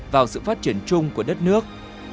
vào sự phát triển chung của đất nước